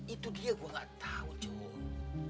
itu dia gue gak tau tuh